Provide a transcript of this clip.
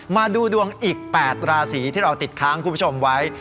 มาดูดวงอีก๘ราศีที่เราติดค้างคุณผู้ชมไว้